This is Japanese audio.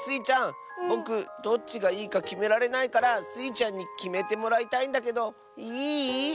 ちゃんぼくどっちがいいかきめられないからスイちゃんにきめてもらいたいんだけどいい？